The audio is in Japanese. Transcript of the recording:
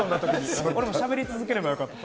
しゃべり続ければよかった。